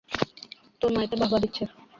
তোর মা এতে বাহ্ বাহ্ দিচ্ছে।